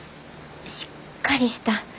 しっかりしたええ